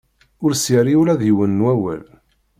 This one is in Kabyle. Ur s-yerri ula d yiwen n wawal.